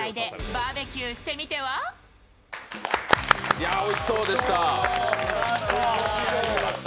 いや、おいしそうでした。